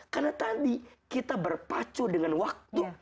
karena tadi kita berpacu dengan waktu